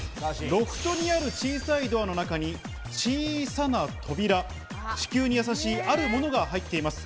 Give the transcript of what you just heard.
ロフトにある小さいドアの中に小さな扉、地球にやさしい、あるものが入っています。